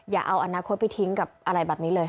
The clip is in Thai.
อย่าเอาอนาคตไปทิ้งกับอะไรแบบนี้เลย